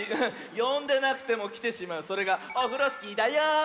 よんでなくてもきてしまうそれがオフロスキーだよん！